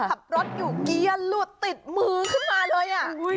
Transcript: ขับรถอยู่เกียร์หลุดติดมือขึ้นมาเลย